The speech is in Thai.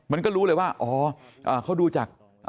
มันก็รู้เลยว่าอ๋อเขาดูจาก